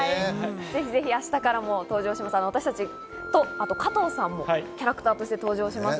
ぜひ明日からも、私たちや加藤さんもキャラクターとして登場します。